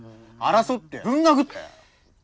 争ってぶん殴って！